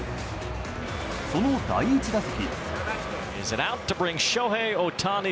その第１打席。